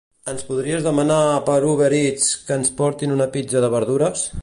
Ens podries demanar per Uber Eats que ens portin una pizza de verdures?